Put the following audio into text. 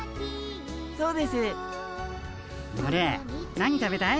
何食べたい？